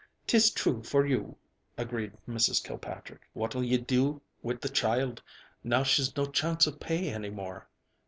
"'Tis true for you," agreed Mrs. Kilpatrick. "What'll ye do wit' the shild, now she's no chance of pay, any more?"